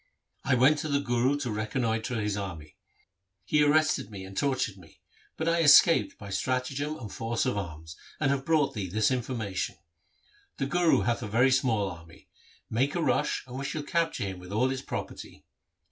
' I went to the Guru to reconnoitre his army. He arrested and tortured me, but I escaped by stratagem and force of arms, and have brought thee this information. The Guru hath a very small army ; make a rush and we shall capture him with all his property.'